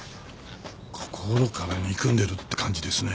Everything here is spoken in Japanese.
心から憎んでるって感じですね。